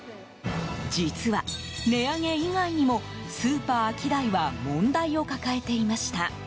実は、値上げ以外にもスーパーアキダイは問題を抱えていました。